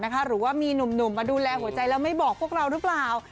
หรือว่ามีหนุ่มมาดูแลหัวใจแล้วไม่บอกพวกเราหรือเปล่า